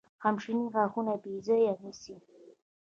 همیشني غاښونه یې ځای نیسي.